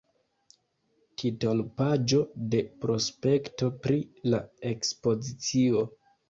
Titolpaĝo de prospekto pri la ekspozicio.